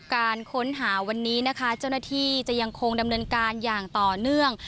การค้นหาวันนี้นะคะเจ้าหน้าที่จะยังคงดำเนินการอย่างต่อเนื่อง